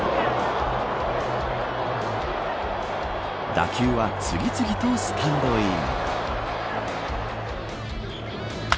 打球は次々とスタンドイン。